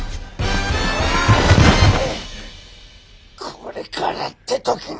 これからってときに。